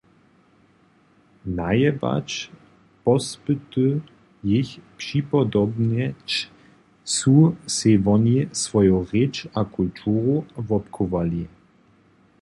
Najebać pospyty jich připodobnjeć su sej woni swoju rěč a kulturu wobchowali.